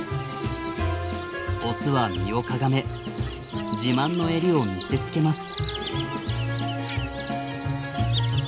オスは身をかがめ自慢のエリを見せつけます。